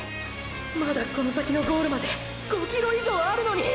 まだこの先のゴールまで５ｋｍ以上あるのに！！